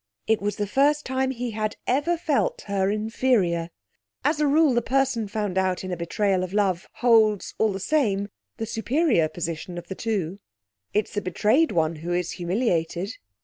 It was the first time he had ever felt her inferior. As a rule the person found out in a betrayal of love holds, all the same, the superior position of the two. It is the betrayed one who is humiliated.